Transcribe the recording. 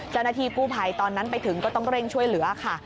เจ้าหน้าที่กู้ภัยตอนนั้นไปถึงก็ต้องเร่งช่วยเหลือค่ะ